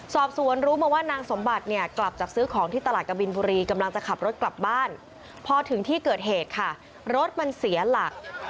สอบสวนรู้มาว่านางสมบัติเนี่ยกลับจากซื้อของที่ตลาดกบินบุรีกำลังจะขับรถกลับบ้านพอถึงที่เกิดเหตุค่ะรถมันเสียหลัก